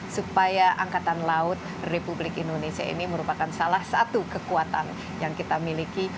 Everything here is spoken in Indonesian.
supaya angkatan laut republik indonesia ini merupakan salah satu kekuatan yang kita miliki